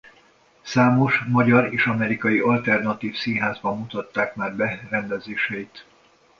Számos magyar és amerikai alternatív színházban mutatták már be rendezéseit.